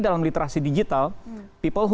dalam literasi digital people ho